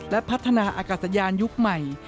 และพัฒนาอากาศยานยุคใหม่